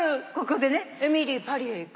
『エミリー、パリへ行く』？